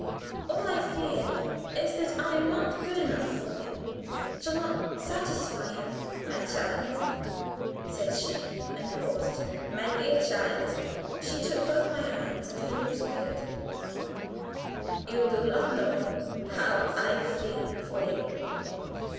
All I fear is that I am not good enough for him shall not satisfy him." "My child," said she, and paused. "My dear child," she took both my hands, and her lips quivered, "you do not know how I feel for you.